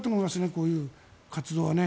こういう活動は。